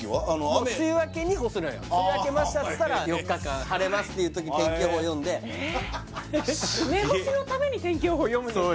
梅雨明けましたっつったら４日間晴れますっていう時天気予報読んで梅干しのために天気予報読むんですか？